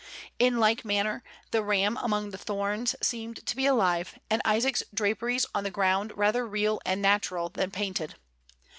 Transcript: In like manner, the ram among the thorns seemed to be alive, and Isaac's draperies on the ground rather real and natural than painted.